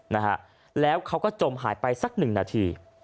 นะฮะแล้วเขาก็จมหายไปสักหนึ่งนาที